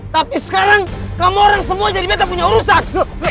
tapi sekarang kamu semua jadi beda punya urusan